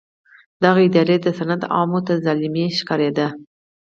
دغه ادارې د سند عوامو ته ظالمې ښکارېدې.